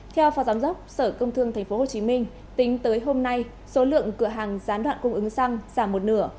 theo phó giám đốc sở công thương tp hcm tính tới hôm nay số lượng cửa hàng gián đoạn cung ứng xăng giảm một nửa